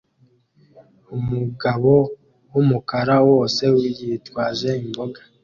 Umugabo wumukara wose yitwaje imboga